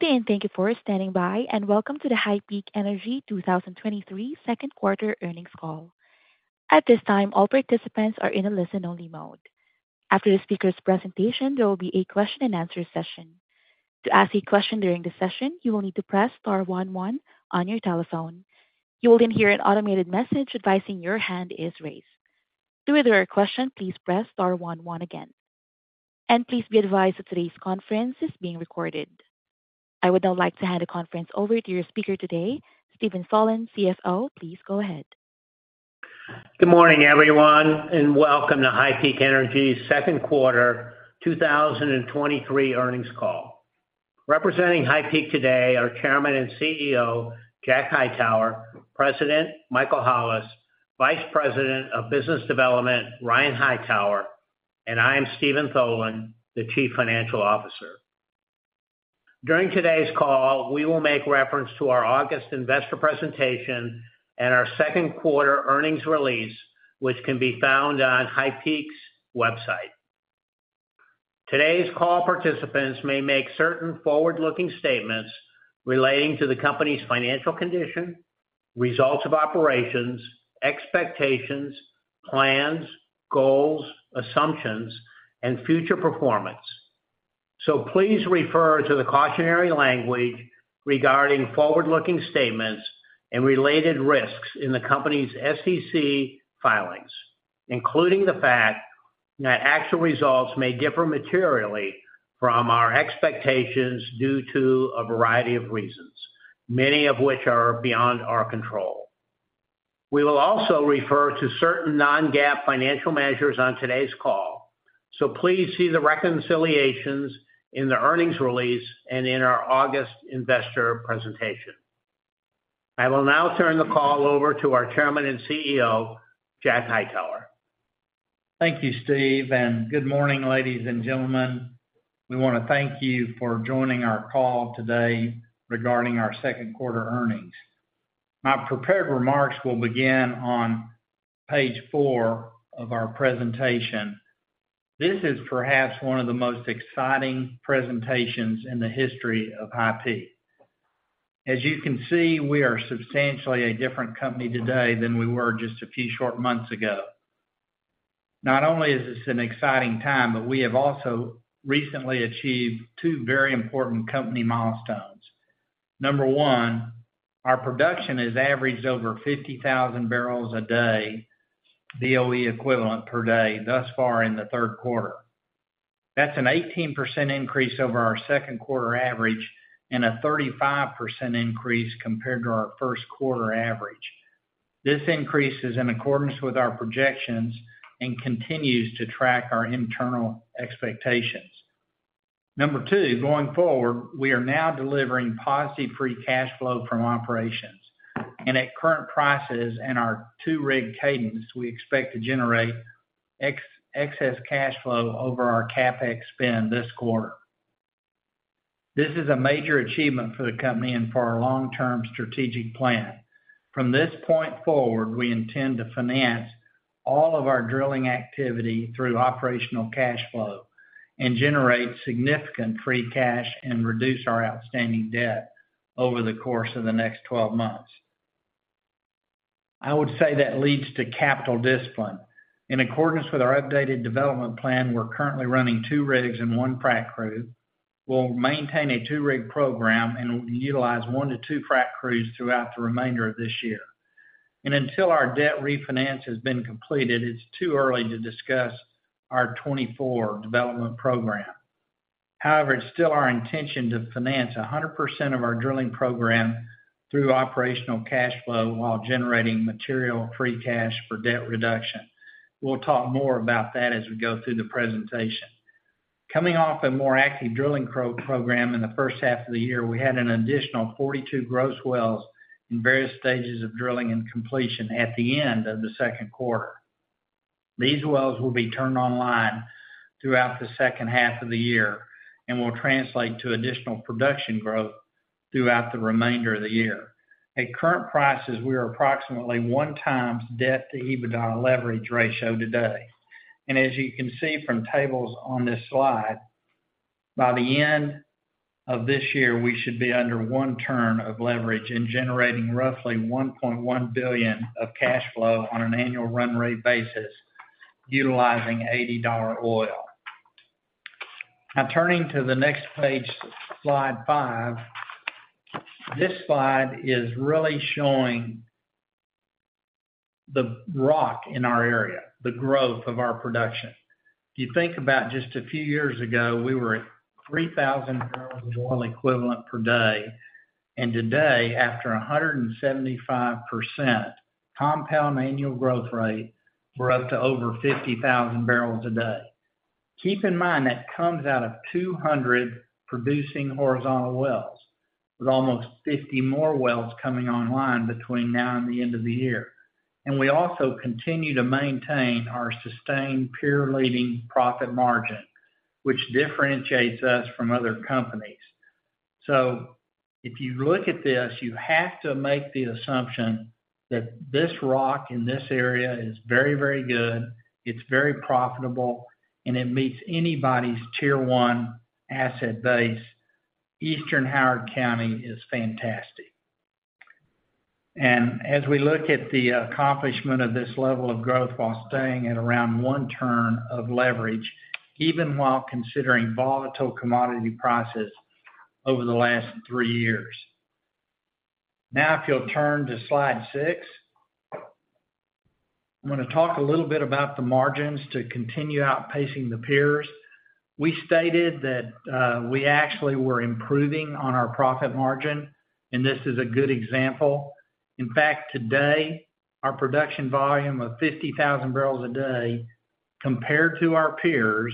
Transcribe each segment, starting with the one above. Good day, and thank you for standing by, and welcome to the HighPeak Energy 2023 Second Quarter Earnings Call. At this time, all participants are in a listen-only mode. After the speaker's presentation, there will be a question-and-answer session. To ask a question during the session, you will need to press star one one on your telephone. You will then hear an automated message advising your hand is raised. To withdraw your question, please press star one one again, and please be advised that today's conference is being recorded. I would now like to hand the conference over to your speaker today, Steven Tholen, CFO. Please go ahead. Good morning, everyone, and welcome to HighPeak Energy's second quarter 2023 earnings call. Representing HighPeak today are Chairman and CEO, Jack Hightower; President, Michael Hollis; Vice President of Business Development, Ryan Hightower; and I am Steven Tholen, the Chief Financial Officer. During today's call, we will make reference to our August investor presentation and our second quarter earnings release, which can be found on HighPeak's website. Today's call participants may make certain forward-looking statements relating to the company's financial condition, results of operations, expectations, plans, goals, assumptions, and future performance. Please refer to the cautionary language regarding forward-looking statements and related risks in the company's SEC filings, including the fact that actual results may differ materially from our expectations due to a variety of reasons, many of which are beyond our control. We will also refer to certain non-GAAP financial measures on today's call, so please see the reconciliations in the earnings release and in our August investor presentation. I will now turn the call over to our Chairman and CEO, Jack Hightower. Thank you, Steve. Good morning, ladies and gentlemen. We want to thank you for joining our call today regarding our second quarter earnings. My prepared remarks will begin on page four of our presentation. This is perhaps one of the most exciting presentations in the history of HighPeak. As you can see, we are substantially a different company today than we were just a few short months ago. Not only is this an exciting time, but we have also recently achieved two very important company milestones. Number one, our production has averaged over 50,000 bbl a day, BOE equivalent per day, thus far in the third quarter. That's an 18% increase over our second quarter average and a 35% increase compared to our first quarter average. This increase is in accordance with our projections and continues to track our internal expectations. Number two, going forward, we are now delivering positive free cash flow from operations. At current prices and our two rig cadence, we expect to generate excess cash flow over our CapEx spend this quarter. This is a major achievement for the company and for our long-term strategic plan. From this point forward, we intend to finance all of our drilling activity through operational cash flow and generate significant free cash and reduce our outstanding debt over the course of the next 12 months. I would say that leads to capital discipline. In accordance with our updated development plan, we're currently running two rigs and one frac crew. We'll maintain a two-rig program and utilize one to two frac crews throughout the remainder of this year. Until our debt refinance has been completed, it's too early to discuss our 2024 development program. It's still our intention to finance 100% of our drilling program through operational cash flow while generating material free cash for debt reduction. We'll talk more about that as we go through the presentation. Coming off a more active drilling program in the first half of the year, we had an additional 42 gross wells in various stages of drilling and completion at the end of the second quarter. These wells will be turned online throughout the second half of the year and will translate to additional production growth throughout the remainder of the year. At current prices, we are approximately 1x debt-to-EBITDA leverage ratio today. As you can see from tables on this slide, by the end of this year, we should be under 1 turn of leverage and generating roughly $1.1 billion of cash flow on an annual run rate basis, utilizing $80 oil. Now, turning to the next page, Slide five. This slide is really showing the rock in our area, the growth of our production. If you think about just a few years ago, we were at 3,000 bbl of oil equivalent per day, and today, after a 175% compound annual growth rate, we're up to over 50,000 bbl a day. Keep in mind, that comes out of 200 producing horizontal wells, with almost 50 more wells coming online between now and the end of the year. We also continue to maintain our sustained peer-leading profit margin, which differentiates us from other companies. If you look at this, you have to make the assumption that this rock in this area is very, very good, it's very profitable, and it meets anybody's Tier One asset base. Eastern Howard County is fantastic. As we look at the accomplishment of this level of growth while staying at around one turn of leverage, even while considering volatile commodity prices over the last three years. Now, if you'll turn to slide six. I'm gonna talk a little bit about the margins to continue outpacing the peers. We stated that we actually were improving on our profit margin, and this is a good example. In fact, today, our production volume of 50,000 bbl a day, compared to our peers,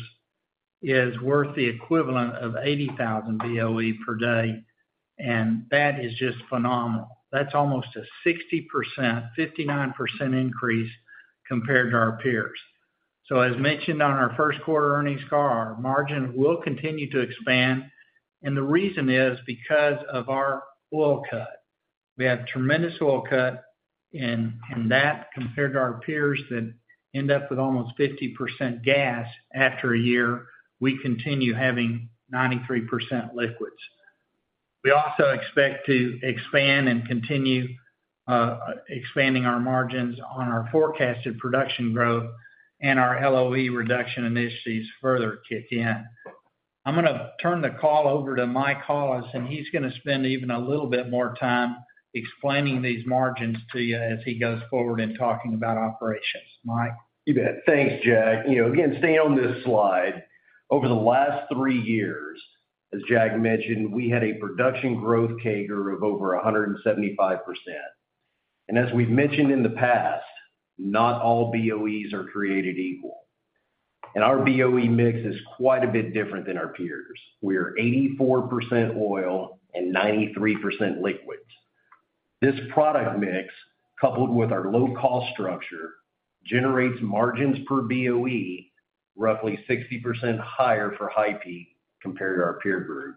is worth the equivalent of 80,000 BOE per day, and that is just phenomenal. That's almost a 60%, 59% increase compared to our peers. As mentioned on our first quarter earnings call, our margin will continue to expand, and the reason is because of our oil cut. We have tremendous oil cut, and that, compared to our peers, that end up with almost 50% gas after a year, we continue having 93% liquids. We also expect to expand and continue expanding our margins on our forecasted production growth and our LOE reduction initiatives further kick in. I'm gonna turn the call over to Mike Hollis, he's gonna spend even a little bit more time explaining these margins to you as he goes forward in talking about operations. Mike? You bet. Thanks, Jack. You know, again, staying on this slide, over the last three years, as Jack mentioned, we had a production growth CAGR of over 175%. As we've mentioned in the past, not all BOEs are created equal, and our BOE mix is quite a bit different than our peers. We are 84% oil and 93% liquids. This product mix, coupled with our low-cost structure, generates margins per BOE, roughly 60% higher for HighPeak compared to our peer group.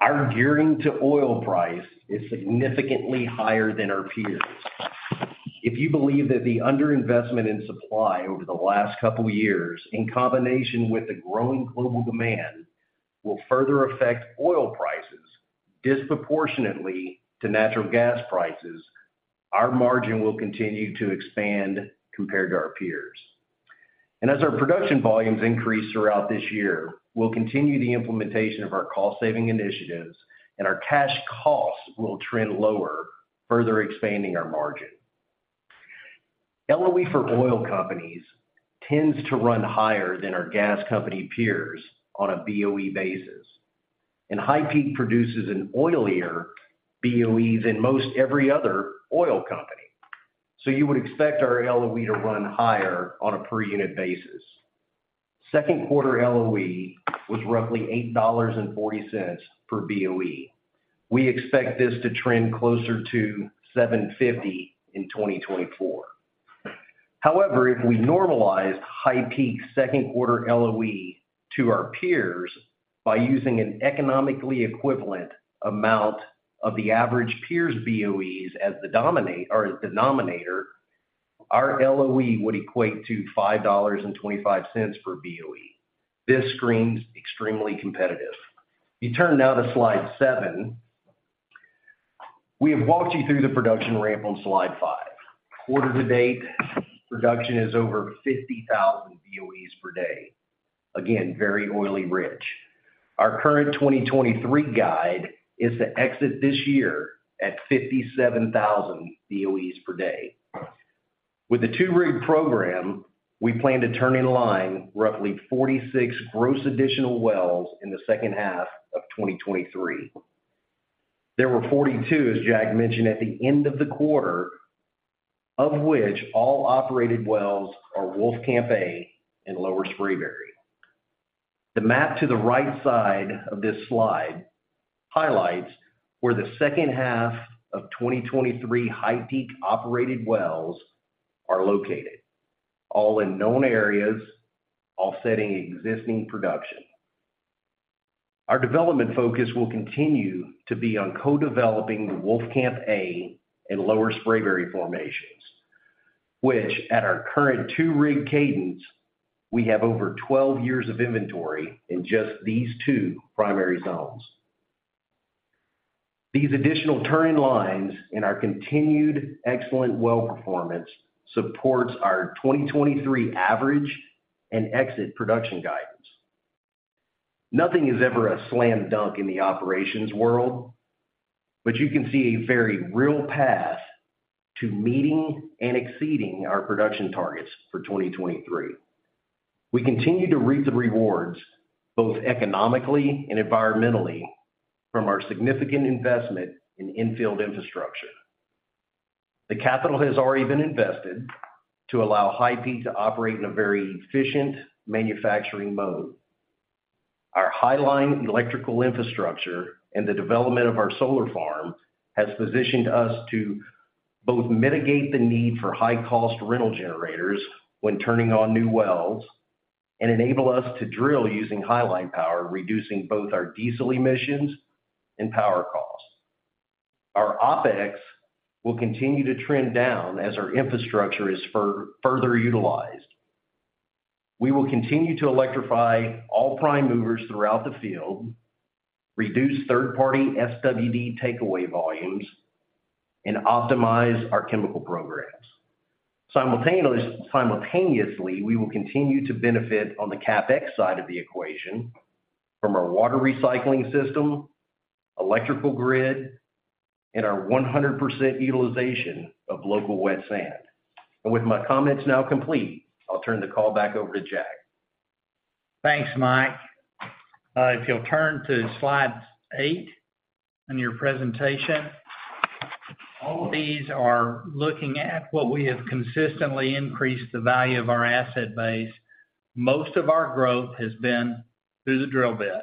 Our gearing to oil price is significantly higher than our peers. If you believe that the underinvestment in supply over the last couple of years, in combination with the growing global demand, will further affect oil prices disproportionately to natural gas prices, our margin will continue to expand compared to our peers. As our production volumes increase throughout this year, we'll continue the implementation of our cost-saving initiatives, and our cash costs will trend lower, further expanding our margin. LOE for oil companies tends to run higher than our gas company peers on a BOE basis, and HighPeak produces an oilier BOE than most every other oil company. You would expect our LOE to run higher on a per unit basis. Second quarter LOE was roughly $8.40 per BOE. We expect this to trend closer to $7.50 in 2024. However, if we normalized HighPeak's second quarter LOE to our peers by using an economically equivalent amount of the average peers' BOEs as the dominate-- or as denominator, our LOE would equate to $5.25 per BOE. This screams extremely competitive. You turn now to slide seven. We have walked you through the production ramp on slide five. Quarter to date, production is over 50,000 BOEs per day. Again, very oily rich. Our current 2023 guide is to exit this year at 57,000 BOEs per day. With the 2-rig program, we plan to turn in line roughly 46 gross additional wells in the second half of 2023. There were 42, as Jack mentioned, at the end of the quarter, of which all operated wells are Wolfcamp A and Lower Spraberry. The map to the right side of this slide highlights where the second half of 2023 HighPeak operated wells are located, all in known areas, offsetting existing production. Our development focus will continue to be on co-developing the Wolfcamp A and Lower Spraberry formations, which at our current 2-rig cadence, we have over 12 years of inventory in just these two primary zones. These additional turning lines and our continued excellent well performance supports our 2023 average and exit production guidance. Nothing is ever a slam dunk in the operations world, you can see a very real path to meeting and exceeding our production targets for 2023. We continue to reap the rewards, both economically and environmentally, from our significant investment in in-field infrastructure. The capital has already been invested to allow HighPeak to operate in a very efficient manufacturing mode. Our highline electrical infrastructure and the development of our solar farm has positioned us to both mitigate the need for high-cost rental generators when turning on new wells enable us to drill using highline power, reducing both our diesel emissions and power costs. Our OpEx will continue to trend down as our infrastructure is further utilized. We will continue to electrify all prime movers throughout the field, reduce third-party SWD takeaway volumes, and optimize our chemical programs. Simultaneously, we will continue to benefit on the CapEx side of the equation from our water recycling system, electrical grid, and our 100% utilization of local wet sand. With my comments now complete, I'll turn the call back over to Jack. Thanks, Mike. If you'll turn to slide eight in your presentation. All of these are looking at what we have consistently increased the value of our asset base. Most of our growth has been through the drill bit.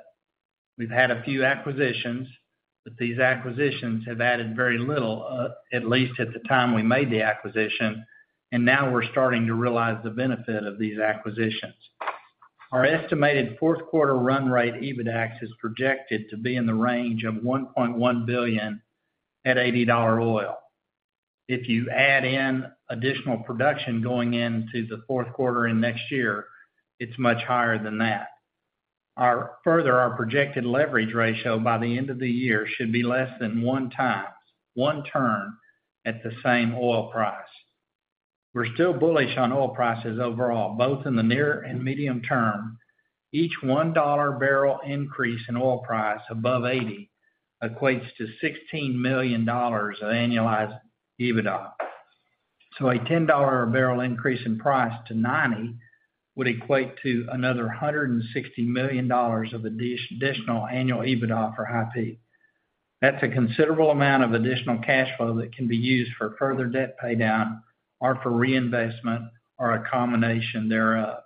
We've had a few acquisitions. These acquisitions have added very little, at least at the time we made the acquisition, and now we're starting to realize the benefit of these acquisitions. Our estimated fourth quarter run rate EBITDAX is projected to be in the range of $1.1 billion at $80 oil. If you add in additional production going into the fourth quarter and next year, it's much higher than that. Our projected leverage ratio by the end of the year should be less than 1x, one term at the same oil price. We're still bullish on oil prices overall, both in the near and medium term. Each $1 barrel increase in oil price above 80 equates to $16 million of annualized EBITDA. A $10 a barrel increase in price to 90 would equate to another $160 million of additional annual EBITDA for HPK. That's a considerable amount of additional cash flow that can be used for further debt paydown or for reinvestment or a combination thereof.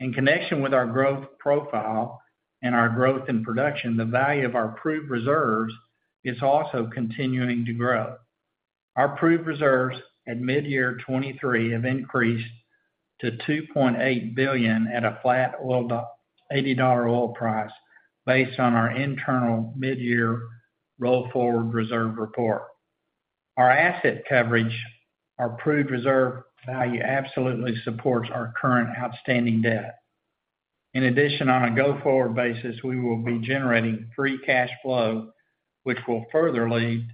In connection with our growth profile and our growth in production, the value of our proved reserves is also continuing to grow. Our proved reserves at mid-year 2023 have increased to $2.8 billion at a flat $80 oil price, based on our internal mid-year roll-forward reserve report. Our asset coverage, our proved reserve value, absolutely supports our current outstanding debt. In addition, on a go-forward basis, we will be generating free cash flow, which will further lead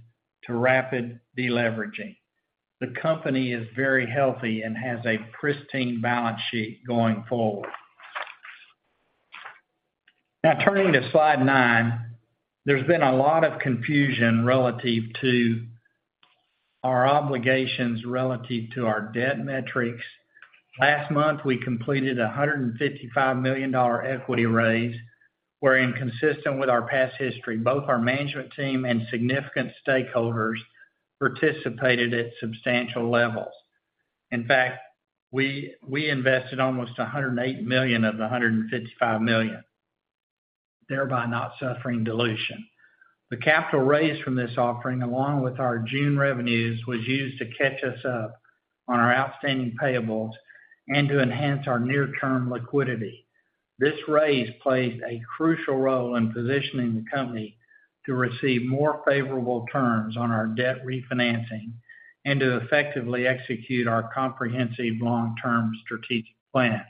to rapid deleveraging. The company is very healthy and has a pristine balance sheet going forward. Now, turning to slide nine, there's been a lot of confusion relative to our obligations relative to our debt metrics. Last month, we completed a $155 million equity raise, wherein consistent with our past history, both our management team and significant stakeholders participated at substantial levels. In fact, we, we invested almost $108 million of the $155 million, thereby not suffering dilution. The capital raised from this offering, along with our June revenues, was used to catch us up on our outstanding payables and to enhance our near-term liquidity. This raise plays a crucial role in positioning the company to receive more favorable terms on our debt refinancing and to effectively execute our comprehensive long-term strategic plan.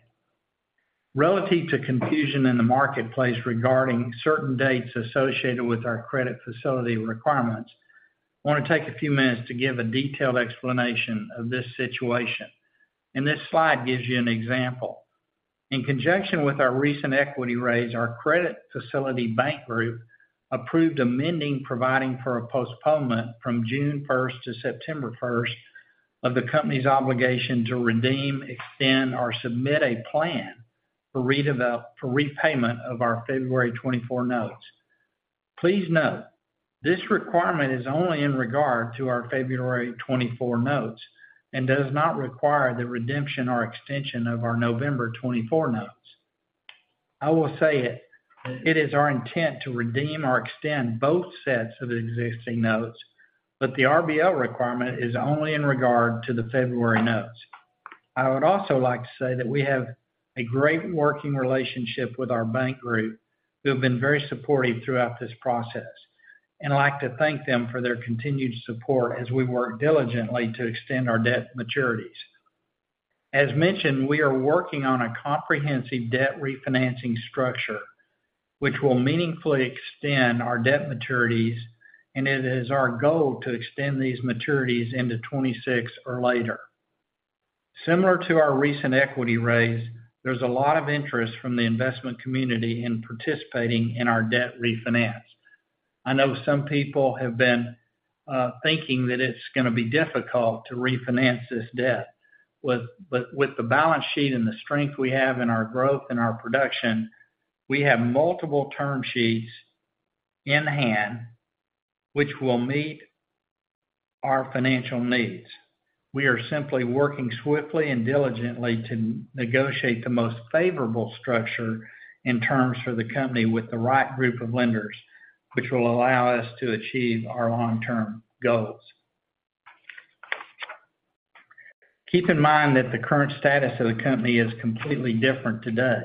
Relative to confusion in the marketplace regarding certain dates associated with our credit facility requirements, I want to take a few minutes to give a detailed explanation of this situation, and this slide gives you an example. In conjunction with our recent equity raise, our credit facility bank group approved amending, providing for a postponement from June first to September first of the company's obligation to redeem, extend, or submit a plan for repayment of our February 2024 notes. Please note, this requirement is only in regard to our February 2024 notes and does not require the redemption or extension of our November 2024 notes. I will say it, it is our intent to redeem or extend both sets of existing notes. The RBL requirement is only in regard to the February notes. I would also like to say that we have a great working relationship with our bank group, who have been very supportive throughout this process. I'd like to thank them for their continued support as we work diligently to extend our debt maturities. As mentioned, we are working on a comprehensive debt refinancing structure, which will meaningfully extend our debt maturities. It is our goal to extend these maturities into 2026 or later. Similar to our recent equity raise, there's a lot of interest from the investment community in participating in our debt refinance. I know some people have been thinking that it's gonna be difficult to refinance this debt, but with the balance sheet and the strength we have in our growth and our production, we have multiple term sheets in hand which will meet our financial needs. We are simply working swiftly and diligently to negotiate the most favorable structure in terms for the company with the right group of lenders, which will allow us to achieve our long-term goals. Keep in mind that the current status of the company is completely different today.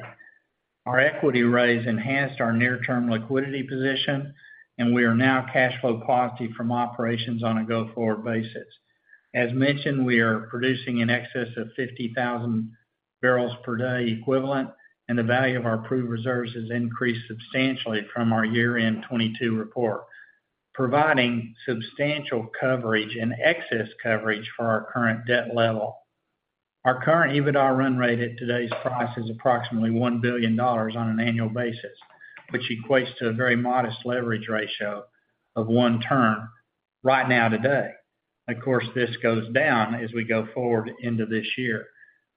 Our equity raise enhanced our near-term liquidity position, and we are now cash flow positive from operations on a go-forward basis. As mentioned, we are producing in excess of 50,000 bbl per day equivalent, and the value of our approved reserves has increased substantially from our year-end 2022 report, providing substantial coverage and excess coverage for our current debt level. Our current EBITDA run rate at today's price is approximately $1 billion on an annual basis, which equates to a very modest leverage ratio of 1 term right now today. Of course, this goes down as we go forward into this year.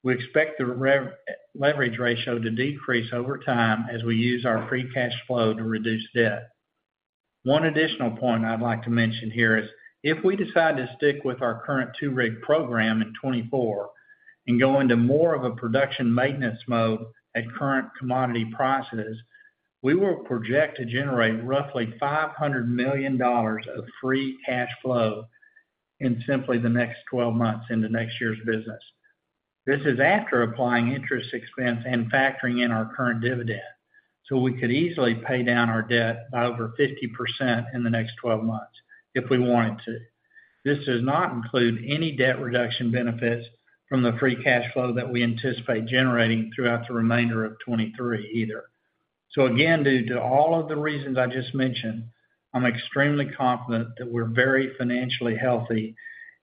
We expect the leverage ratio to decrease over time as we use our free cash flow to reduce debt. One additional point I'd like to mention here is, if we decide to stick with our current two-rig program in 2024 and go into more of a production maintenance mode at current commodity prices, we will project to generate roughly $500 million of free cash flow in simply the next 12 months into next year's business. This is after applying interest expense and factoring in our current dividend, so we could easily pay down our debt by over 50% in the next 12 months if we wanted to. This does not include any debt reduction benefits from the free cash flow that we anticipate generating throughout the remainder of 2023 either. Again, due to all of the reasons I just mentioned, I'm extremely confident that we're very financially healthy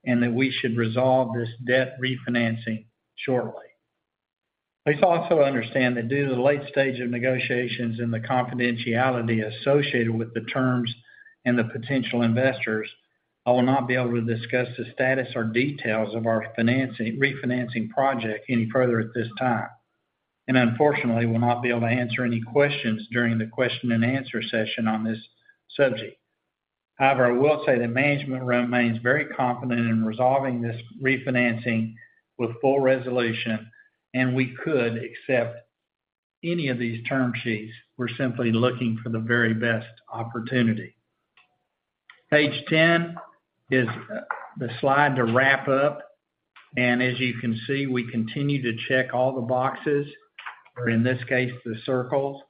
and that we should resolve this debt refinancing shortly. Please also understand that due to the late stage of negotiations and the confidentiality associated with the terms and the potential investors, I will not be able to discuss the status or details of our refinancing project any further at this time, and unfortunately, will not be able to answer any questions during the question and answer session on this subject. However, I will say that management remains very confident in resolving this refinancing with full resolution, and we could accept any of these term sheets. We're simply looking for the very best opportunity. Page 10 is the slide to wrap up. As you can see, we continue to check all the boxes, or in this case, the circles,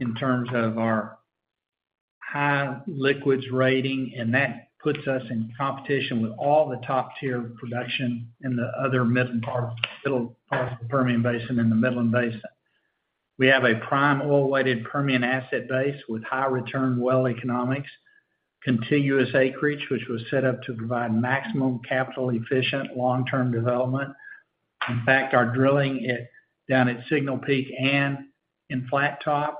in terms of our high liquids rating, and that puts us in competition with all the top-tier production in the other middle part, middle parts of the Permian Basin and the Midland Basin. We have a prime oil-weighted Permian asset base with high-return well economics, contiguous acreage, which was set up to provide maximum capital efficient long-term development. In fact, our drilling at, down at Signal Peak and in Flattop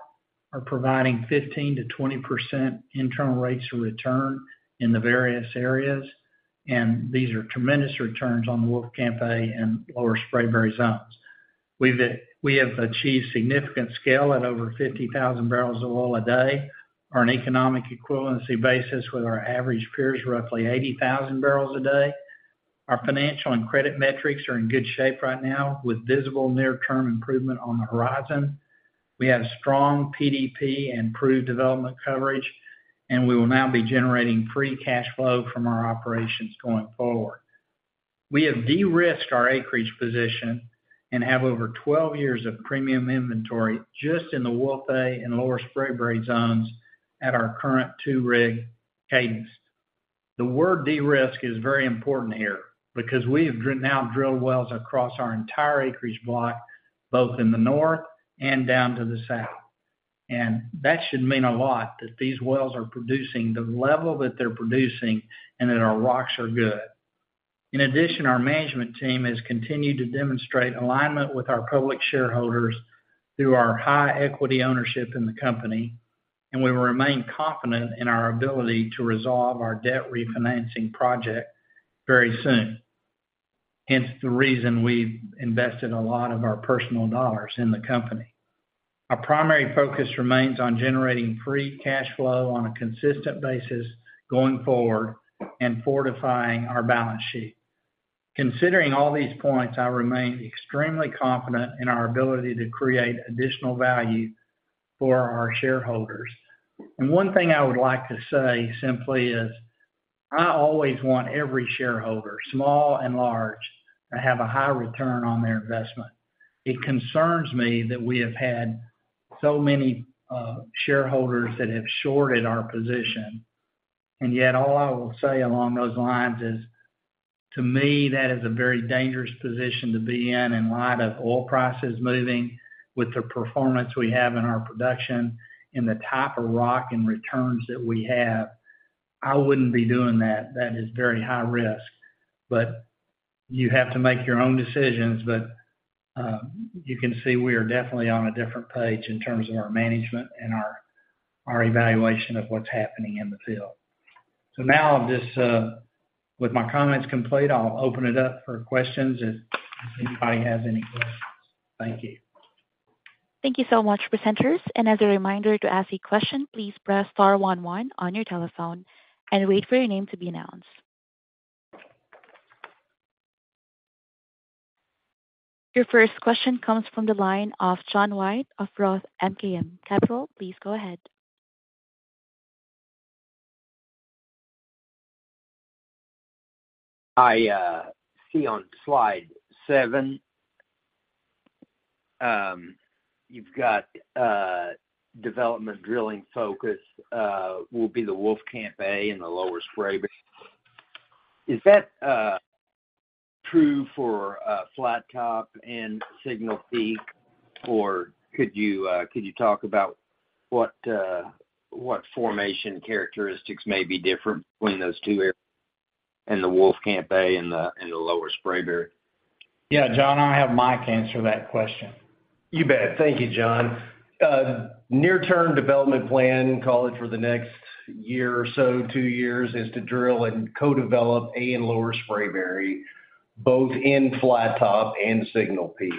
are providing 15%-20% internal rates of return in the various areas, and these are tremendous returns on the Wolfcamp A and Lower Spraberry zones. We've, we have achieved significant scale at over 50,000 bbl of oil a day, on an economic equivalency basis with our average peers, roughly 80,000 bbl a day. Our financial and credit metrics are in good shape right now, with visible near-term improvement on the horizon. We have strong PDP and proved development coverage. We will now be generating free cash flow from our operations going forward. We have de-risked our acreage position and have over 12 years of premium inventory just in the Wolf A and Lower Spraberry zones at our current 2-rig cadence. The word de-risk is very important here because we have now drilled wells across our entire acreage block, both in the north and down to the south. That should mean a lot, that these wells are producing the level that they're producing and that our rocks are good. In addition, our management team has continued to demonstrate alignment with our public shareholders through our high equity ownership in the company, and we will remain confident in our ability to resolve our debt refinancing project very soon. Hence, the reason we've invested a lot of our personal dollars in the company. Our primary focus remains on generating free cash flow on a consistent basis going forward and fortifying our balance sheet. Considering all these points, I remain extremely confident in our ability to create additional value for our shareholders. One thing I would like to say simply is, I always want every shareholder, small and large, to have a high return on their investment. It concerns me that we have had so many shareholders that have shorted our position, yet all I will say along those lines is, to me, that is a very dangerous position to be in. In light of oil prices moving with the performance we have in our production and the type of rock and returns that we have, I wouldn't be doing that. That is very high risk, you have to make your own decisions. You can see we are definitely on a different page in terms of our management and our, our evaluation of what's happening in the field. Now I'll just... With my comments complete, I'll open it up for questions if, if anybody has any questions. Thank you. Thank you so much, presenters. As a reminder, to ask a question, please press star one, one on your telephone and wait for your name to be announced. Your first question comes from the line of John White of Roth MKM. Please go ahead. I see on slide seven, you've got development drilling focus, will be the Wolfcamp A and the Lower Spraberry. Is that true for Flattop and Signal Peak, or could you, could you talk about what, what formation characteristics may be different between those two areas and the Wolfcamp A and the, and the Lower Spraberry? Yeah, John, I'll have Mike answer that question. You bet. Thank you, John. Near-term development plan, call it for the next year or so, two years, is to drill and co-develop A and Lower Spraberry, both in Flattop and Signal Peak.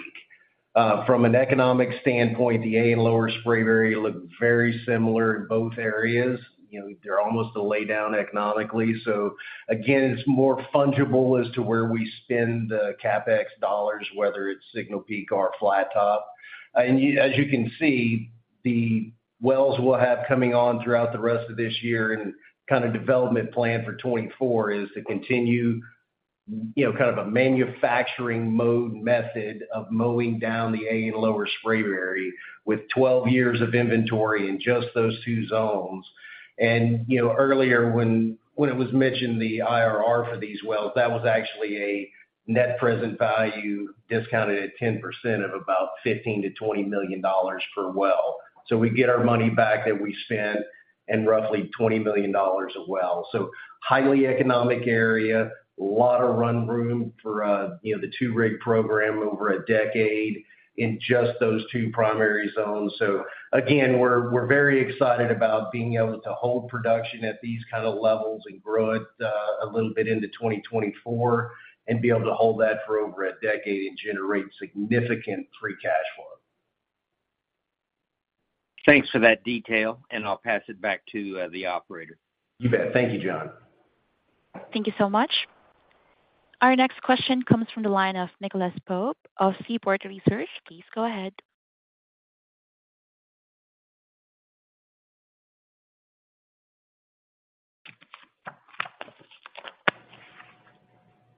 From an economic standpoint, the A and Lower Spraberry look very similar in both areas. You know, they're almost a lay down economically. So again, it's more fungible as to where we spend the CapEx dollars, whether it's Signal Peak or Flattop. And as you can see, the wells we'll have coming on throughout the rest of this year and kind of development plan for 2024 is to continue, you know, kind of a manufacturing mode method of mowing down the A and Lower Spraberry with 12 years of inventory in just those two zones. You know, earlier when, when it was mentioned, the IRR for these wells, that was actually a net present value, discounted at 10% of about $15 million-$20 million per well. We get our money back that we spent and roughly $20 million a well. Highly economic area, a lot of run room for, you know, the 2 rig program over a decade in just those two primary zones. Again, we're, we're very excited about being able to hold production at these kind of levels and grow it, a little bit into 2024, and be able to hold that for over a decade and generate significant free cash flow. Thanks for that detail, and I'll pass it back to the operator. You bet. Thank you, John. Thank you so much. Our next question comes from the line of Nicholas Pope of Seaport Research. Please go ahead.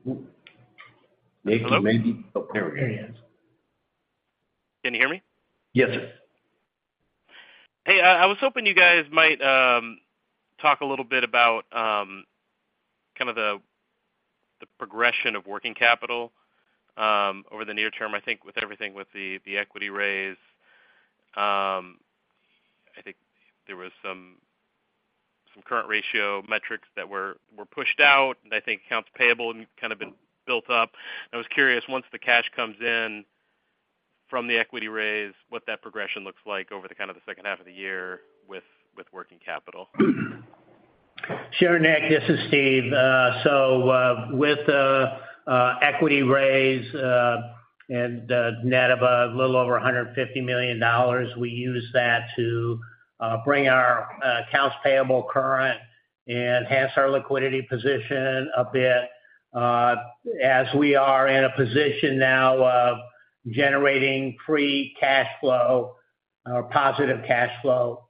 Nick, you may be... Oh, there we go. Can you hear me? Yes, sir. Hey, I was hoping you guys might talk a little bit about kind of the, the progression of working capital over the near term. I think with everything with the, the equity raise, I think there was some, some current ratio metrics that were, were pushed out, and I think accounts payable and kind of been built up. I was curious, once the cash comes in from the equity raise, what that progression looks like over the kind of the second half of the year with, with working capital. Sure, Nick, this is Steve. With the equity raise, net of a little over $150 million, we use that to bring our accounts payable current and enhance our liquidity position a bit. As we are in a position now of generating free cash flow or positive cash flow,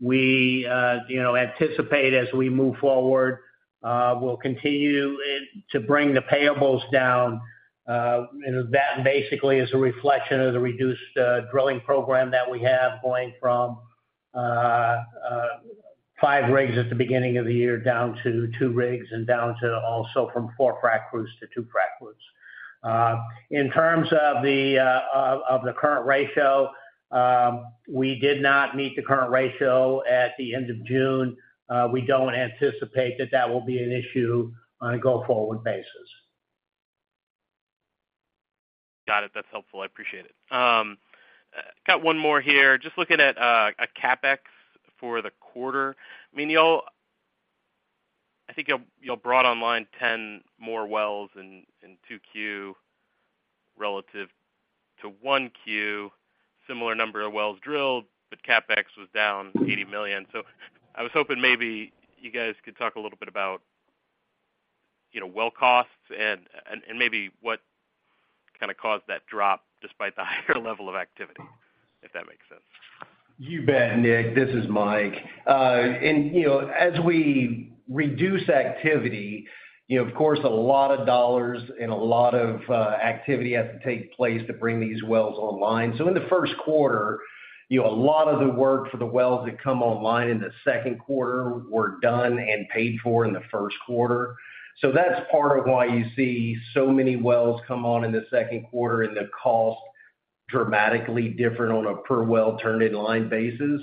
we, you know, anticipate as we move forward, we'll continue it to bring the payables down. That basically is a reflection of the reduced drilling program that we have, going from 5 rigs at the beginning of the year down to 2 rigs and down to also from 4 frack crews to 2 frack crews. In terms of the current ratio, we did not meet the current ratio at the end of June. We don't anticipate that that will be an issue on a go-forward basis. Got it. That's helpful. I appreciate it. Got one more here. Just looking at a CapEx for the quarter. I mean, y'all, I think you'll brought online 10 more wells in 2Q relative to 1Q. Similar number of wells drilled, but CapEx was down $80 million. I was hoping maybe you guys could talk a little bit about, you know, well costs and maybe what kinda caused that drop despite the higher level of activity, if that makes sense. You bet, Nick. This is Mike. You know, as we reduce activity, you know, of course, a lot of dollars and a lot of activity has to take place to bring these wells online. In the first quarter, you know, a lot of the work for the wells that come online in the second quarter were done and paid for in the first quarter. That's part of why you see so many wells come on in the second quarter, the cost dramatically different on a per well turned in line basis.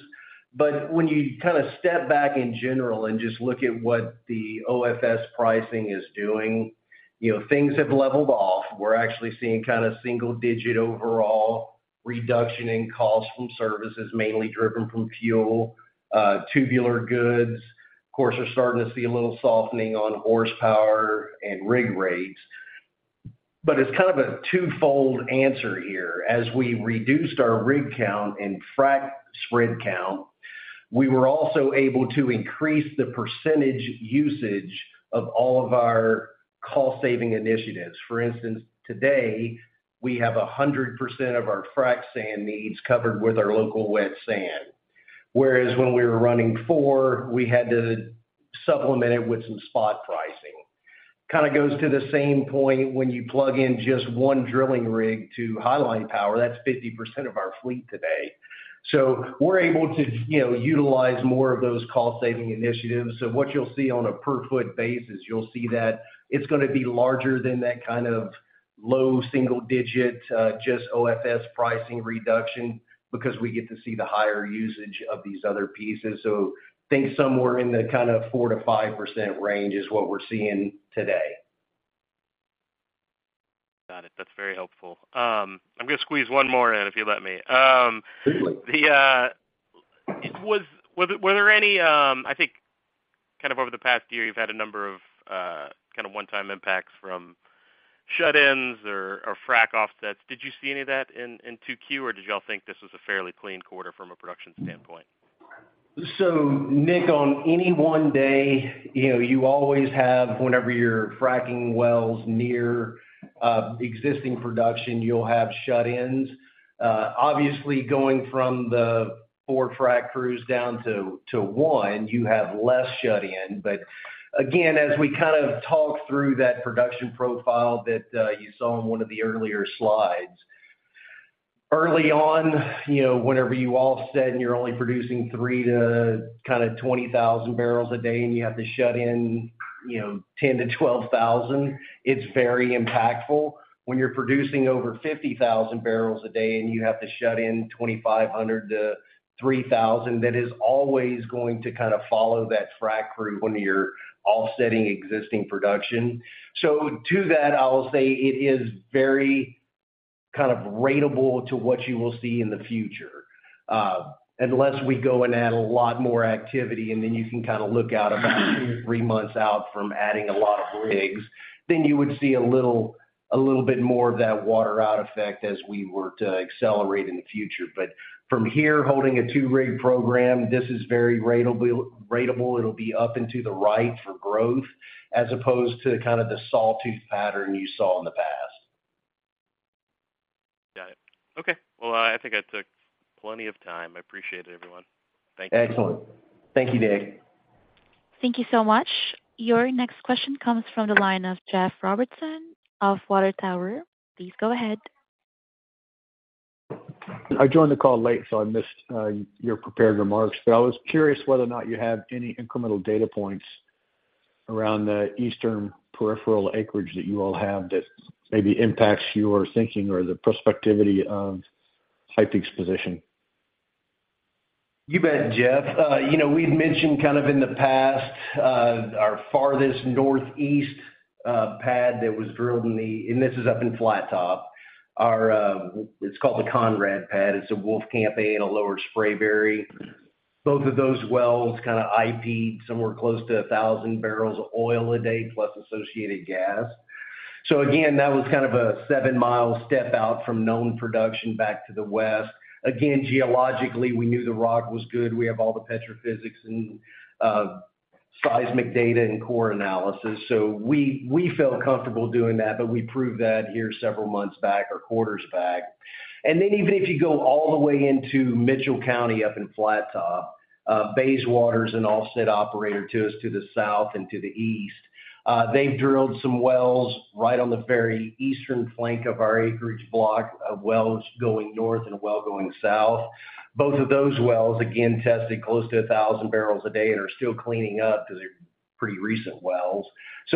When you kinda step back in general and just look at what the OFS pricing is doing, you know, things have leveled off. We're actually seeing kinda single-digit overall reduction in costs from services, mainly driven from fuel, tubular goods. Of course, we're starting to see a little softening on horsepower and rig rates. It's kind of a twofold answer here. As we reduced our rig count and frack spread count, we were also able to increase the percentage usage of all of our cost-saving initiatives. For instance, today, we have 100% of our frac sand needs covered with our local wet sand. Whereas when we were running four, we had to supplement it with some spot pricing. Kinda goes to the same point when you plug in just 1 drilling rig to highline power, that's 50% of our fleet today. We're able to, you know, utilize more of those cost-saving initiatives. What you'll see on a per-foot basis, you'll see that it's gonna be larger than that kind of low single digit, just OFS pricing reduction, because we get to see the higher usage of these other pieces. Think somewhere in the kind of 4%-5% range is what we're seeing today. Got it. That's very helpful. I'm gonna squeeze one more in, if you let me. Please do. Were there any... I think, kind of over the past year, you've had a number of, kind of one-time impacts from shut-ins or, or frac offsets. Did you see any of that in, in 2Q, or did you all think this was a fairly clean quarter from a production standpoint? Nick, on any 1 day, you know, you always have, whenever you're fracking wells near existing production, you'll have shut-ins. Obviously, going from the 4 frac crews down to 1, you have less shut-in. Again, as we kind of talk through that production profile that you saw on one of the earlier slides, early on, you know, whenever you all said you're only producing three to kinda 20,000 bbl a day, and you have to shut in, you know, 10,000-12,000, it's very impactful. When you're producing over 50,000 bbl a day, and you have to shut in 2,500-3,000, that is always going to kind of follow that frac crew when you're offsetting existing production. To that, I'll say it is very kind of ratable to what you will see in the future. Unless we go and add a lot more activity, and then you can kinda look out about two, three months out from adding a lot of rigs, then you would see a little, a little bit more of that water out effect as we were to accelerate in the future. But from here, holding a 2-rig program, this is very ratable, ratable. It'll be up and to the right for growth, as opposed to kind of the sawtooth pattern you saw in the past. Got it. Okay. Well, I think I took plenty of time. I appreciate it, everyone. Thank you. Excellent. Thank you, Nick. Thank you so much. Your next question comes from the line of Jeff Robertson of Water Tower. Please go ahead. I joined the call late, so I missed your prepared remarks, but I was curious whether or not you have any incremental data points around the eastern peripheral acreage that you all have that maybe impacts your thinking or the prospectivity of type exposition. You bet, Jeff. You know, we've mentioned kind of in the past, our farthest northeast, pad that was drilled in the... This is up in Flattop. Our, it's called the Conrad pad. It's a Wolfcamp A and a Lower Spraberry. Both of those wells kinda HPK'd somewhere close to 1,000 bbl of oil a day, plus associated gas. Again, that was kind of a 7 mi step out from known production back to the west. Again, geologically, we knew the rock was good. We have all the petrophysics and, seismic data and core analysis, so we, we felt comfortable doing that, but we proved that here several months back or quarters back. Even if you go all the way into Mitchell County, up in Flattop, Bayswater is an offset operator to us, to the south and to the east. They've drilled some wells right on the very eastern flank of our acreage block, a well going north and a well going south. Both of those wells, again, tested close to 1,000 bbl a day and are still cleaning up because they're pretty recent wells.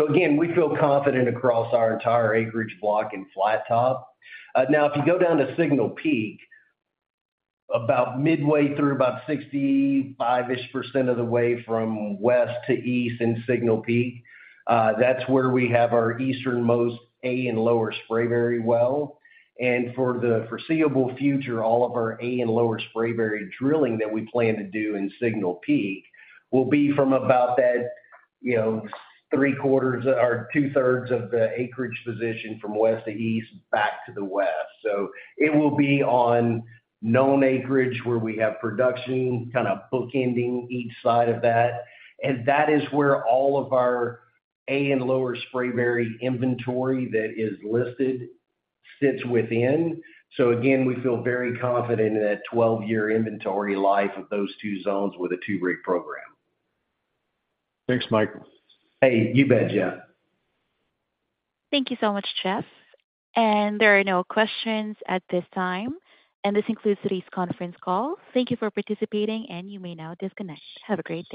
Again, we feel confident across our entire acreage block in Flattop. Now, if you go down to Signal Peak, about midway through about 65-ish% of the way from west to east in Signal Peak, that's where we have our easternmost A and Lower Spraberry well. For the foreseeable future, all of our A and Lower Spraberry drilling that we plan to do in Signal Peak, will be from about that, you know, three-quarters or two-thirds of the acreage position from west to east, back to the west. It will be on known acreage where we have production, kind of bookending each side of that. That is where all of our A and Lower Spraberry inventory that is listed, sits within. Again, we feel very confident in that 12-year inventory life of those two zones with a 2-rig program. Thanks, Mike. Hey, you bet, Jeff. Thank you so much, Jeff. There are no questions at this time. This concludes today's conference call. Thank you for participating. You may now disconnect. Have a great day.